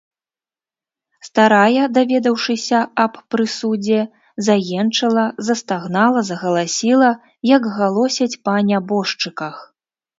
Старая, даведаўшыся аб прысудзе, заенчыла, застагнала, загаласіла, як галосяць па нябожчыках.